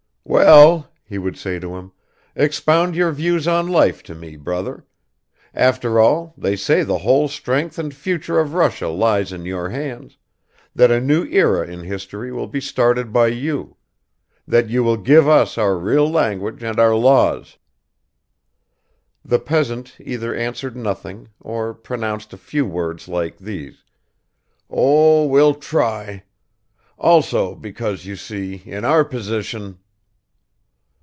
"Well," he would say to him, "expound your views on life to me, brother; after all, they say the whole strength and future of Russia lies in your hands, that a new era in history will be started by you that you will give us our real language and our laws." The peasant either answered nothing, or pronounced a few words like these, "Oh, we'll try ... also, because, you see, in our position